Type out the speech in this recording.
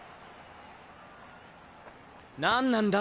何なんだ。